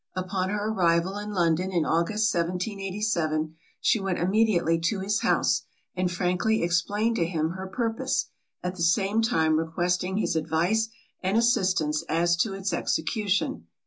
Upon her arrival in London in August 1787, she went immediately to his house, and frankly explained to him her purpose, at the same time requesting his advice and assistance as to its execution.